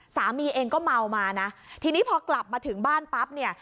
สามีเองก็เมามานะทีนี้พอกลับมาถึงบ้านปั๊บเนี่ย